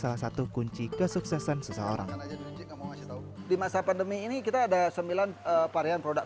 salah satu kunci kesuksesan seseorang di masa pandemi ini kita ada sembilan varian produk